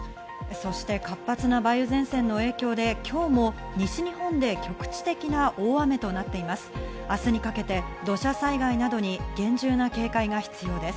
そして活発な梅雨前線の影響で今日も西日本で局地的な大雨となっています。